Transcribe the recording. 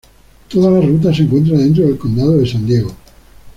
Toda la ruta se encuentra dentro del condado de San Diego.